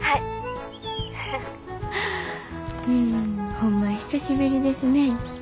ホンマ久しぶりですね。